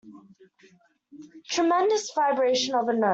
Tremulous vibration of a note.